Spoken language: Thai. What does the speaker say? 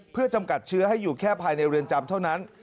เพื่อจำกัดเชื้อให้อยู่แค่ภายในเรือนจำเท่านั้น